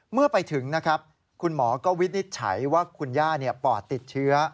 เมื่อไปถึงนะครับคุณหมอก็วินิจฉัยว่าคุณย่าปอดติดเชื้อ